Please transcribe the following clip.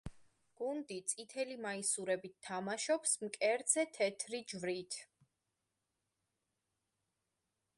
გუნდი წითელი მაისურებით თამაშობს მკერდზე თეთრი ჯვრით.